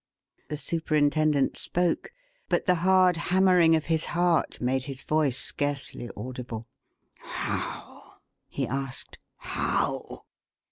The superintendent spoke, but the hard hammering of his heart made his voice scarcely audible. "How?" he asked. "How?"